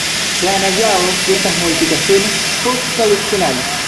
Se han hallado ciertas modificaciones post-traduccionales.